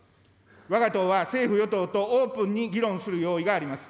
わが党は政府・与党とオープンに議論する用意があります。